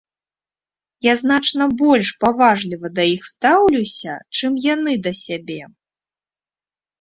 Я значна больш паважліва да іх стаўлюся, чым яны да сябе.